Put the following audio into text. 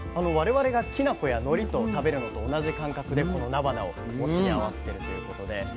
我々がきな粉やのりと食べるのと同じ感覚でこのなばなをもちに合わせてるということで。